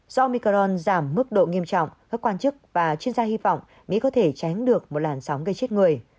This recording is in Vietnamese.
do micron giảm mức độ nghiêm trọng các quan chức và chuyên gia hy vọng mỹ có thể tránh được một làn sóng gây chết người